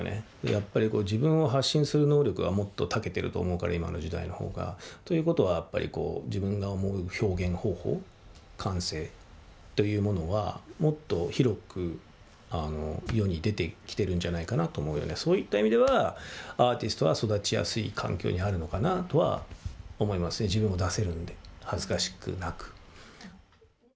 やっぱり、自分を発信する能力はもっとたけてると思うから、今の時代のほうが。ということはやっぱり自分が思う表現方法、感性というものは、もっと広く世に出てきてるんじゃないかなと思うので、そういった意味では、アーティストが育ちやすい環境にあるのかなとは思いますね、自分を出せるんで、恥ずかしくなく。